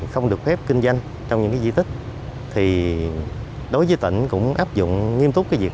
không được phép kinh doanh trong những cái di tích thì đối với tỉnh cũng áp dụng nghiêm túc cái việc